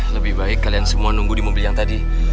lebih baik kalian semua nunggu di mobil yang tadi